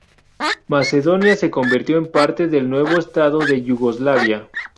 Macedonia se convirtió en parte del nuevo estado de Yugoslavia.